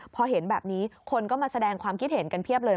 พอเห็นแบบนี้คนก็มาแสดงความคิดเห็นกันเพียบเลย